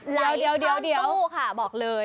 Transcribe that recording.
เหล่าฉะนั้นท่องตู้ก่อนบอกเลย